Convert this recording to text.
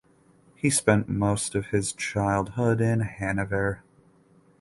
He spent most of his childhood in Hanover.